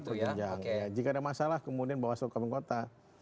tetap berjenjang ya jika ada masalah kemudian bawaslu kabupaten kota